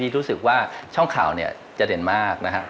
พี่รู้สึกว่าช่องข่าวจะเด่นมากนะครับ